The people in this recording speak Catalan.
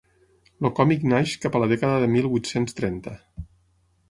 El còmic naix cap a la dècada de mil vuit-cents trenta.